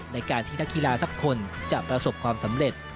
ในการที่นักกีฬาสักคนจะประสบความสำเร็จ